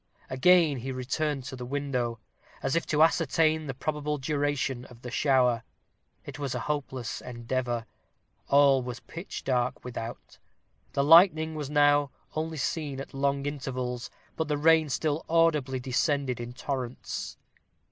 Again he returned to the window, as if to ascertain the probable duration of the shower. It was a hopeless endeavor; all was pitch dark without; the lightning was now only seen at long intervals, but the rain still audibly descended in torrents.